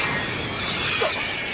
あっ！